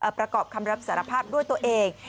ประกอบคำรับสารภาพด้วยตัวเอง